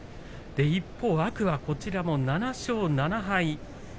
一方、天空海も７勝７敗。